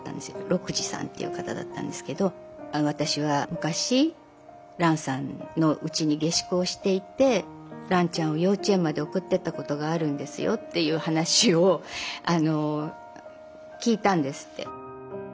禄二さんという方だったんですけど私は昔蘭さんのうちに下宿をしていて蘭ちゃんを幼稚園まで送ってったことがあるんですよという話を聞いたんですって。